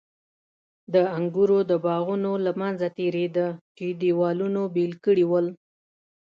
د انګورو د باغونو له منځه تېرېده چې دېوالونو بېل کړي ول.